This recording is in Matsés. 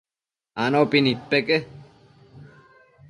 Anopi nidpeque